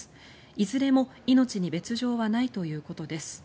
いずれも命に別条はないということです。